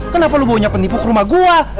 kenapa lo bawa penipu ke rumah gue